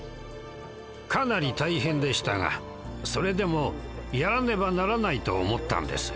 かなり大変でしたがそれでもやらねばならないと思ったんです。